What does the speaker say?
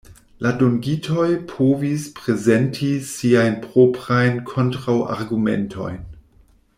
La dungitoj povis prezenti siajn proprajn kontraŭargumentojn.